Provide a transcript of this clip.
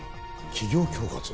企業恐喝？